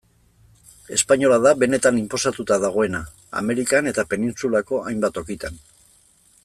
Espainola da benetan inposatuta dagoena, Amerikan eta penintsulako hainbat tokitan.